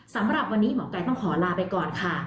สำหรับวันนี้หมอกัยต้องขอลาไปก่อนค่ะ